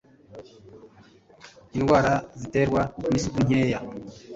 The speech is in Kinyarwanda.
indwara ziterwa n'isuku nkeya